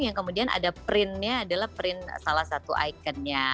yang kemudian ada printnya adalah print salah satu ikonnya